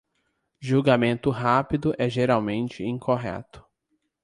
Julgamento rápido é geralmente incorreto.